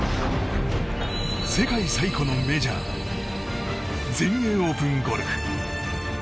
世界最古のメジャー全英オープンゴルフ。